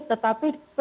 tetapi harus ditambah